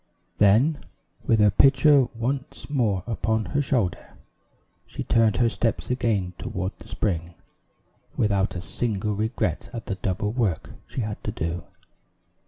Then, with her pitcher once more upon her shoulder, she turned her steps again toward the spring, without a single regret at the double work she had to do.